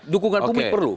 dukungan publik perlu